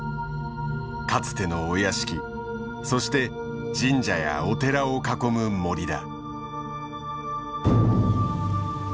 かつてのお屋敷そして神社やお寺を囲む森だ。